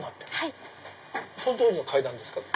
その当時の階段ですか？